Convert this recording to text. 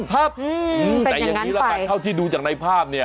แต่อย่างนี้ละกันเท่าที่ดูจากในภาพเนี่ย